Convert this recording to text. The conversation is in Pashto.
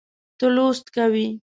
ته لوست کوې